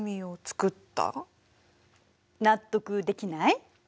納得できない？